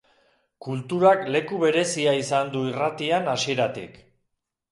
Kulturak leku berezia izan du irratian hasieratik.